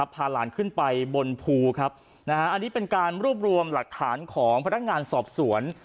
พาหลานขึ้นไปบนภูครับนะฮะอันนี้เป็นการรวบรวมหลักฐานของพนักงานสอบสวน